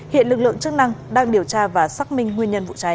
hiện lực lượng chức năng đang điều tra và xác minh nguyên nhân vụ cháy